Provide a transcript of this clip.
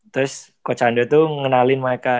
terus coach ando tuh ngenalin mereka